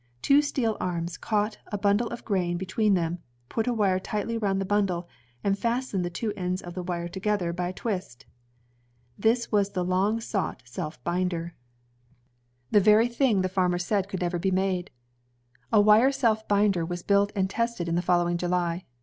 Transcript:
Two steel arms caught a bundle of grain between them, put a wire tightly aroimd the bundle, and fastened the two ends of the wire together by a twist. This was the long sought self binder, CYRUS H. MCCORMICK 157 the very thing the fanner said could never be made. A wire self binder was built and tested in the following July.